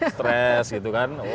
stres gitu kan